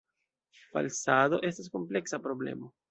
Falsado estas kompleksa problemo.